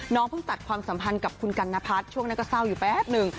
เพิ่งตัดความสัมพันธ์กับคุณกัณพัฒน์ช่วงนั้นก็เศร้าอยู่แป๊บหนึ่ง